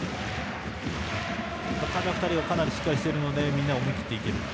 この２人がしっかりしているのでみんなが思い切って行けると。